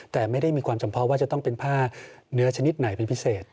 แต่ไม่ได้มีความจำเพาะว่าจะต้องเป็นผ้าเนื้อชนิดไหนเป็นพิเศษ